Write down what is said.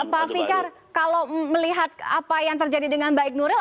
pak fikar kalau melihat apa yang terjadi dengan baik nuril